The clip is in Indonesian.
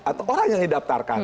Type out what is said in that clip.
atau orang yang didaftarkan